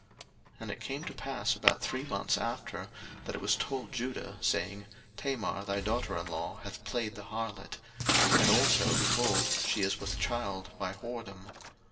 01:038:024 And it came to pass about three months after, that it was told Judah, saying, Tamar thy daughter in law hath played the harlot; and also, behold, she is with child by whoredom.